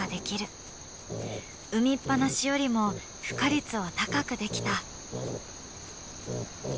産みっ放しよりもふ化率を高くできた。